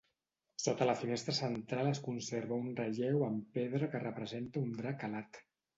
Sota la finestra central es conserva un relleu en pedra que representa un drac alat.